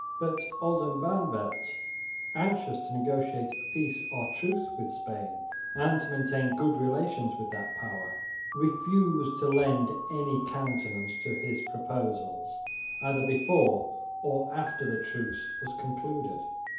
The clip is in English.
But Oldenbarneveldt, anxious to negotiate a peace or truce with Spain and to maintain good relations with that power, refused to lend any countenance to his proposals, either before or after the truce was concluded.